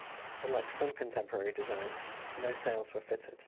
Unlike some contemporary designs, no sails were fitted.